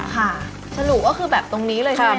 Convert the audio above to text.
ค่ะสรุปก็คือแบบตรงนี้เลยใช่ไหม